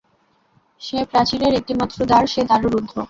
সে প্রাচীরের একটি মাত্র দ্বার, সে দ্বারও রুদ্ধ।